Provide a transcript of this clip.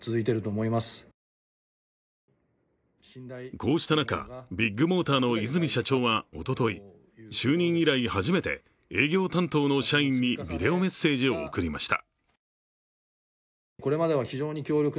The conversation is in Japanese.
こうした中、ビッグモーターの和泉社長はおととい就任以来、初めて営業担当の社員にビデオメッセージを送りました。